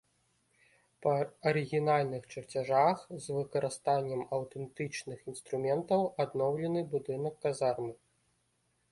Па арыгінальных чарцяжах з выкарыстаннем аўтэнтычных інструментаў адноўлены будынак казармы.